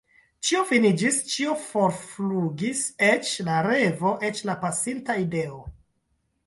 Ĉio finiĝis, ĉio forflugis, eĉ la revo, eĉ la pasinta idealo.